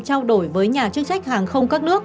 trao đổi với nhà chức trách hàng không các nước